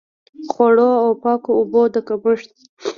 خوړو او پاکو اوبو د کمښت.